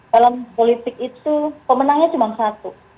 dalam politik itu pemenangnya cuma satu